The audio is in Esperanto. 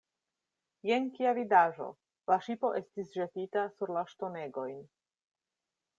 Jen, kia vidaĵo! La ŝipo estis ĵetita sur la ŝtonegojn.